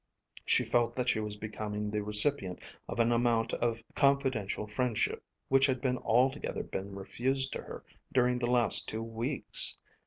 She felt that she was becoming the recipient of an amount of confidential friendship which had altogether been refused to her during the last two weeks.